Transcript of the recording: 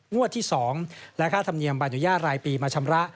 งวดที่๒และค่าธรรมเนียมใบอนุญาตรายปีมาชำระ